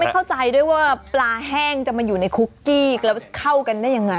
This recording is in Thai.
เข้าใจด้วยว่าปลาแห้งจะมาอยู่ในคุกกี้แล้วเข้ากันได้ยังไง